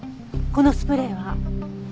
このスプレーは？